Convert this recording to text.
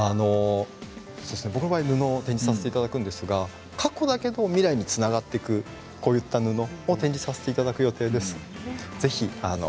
僕の場合布を展示しますが過去だけど未来につながっていくこういった布の展示させていただく予定です。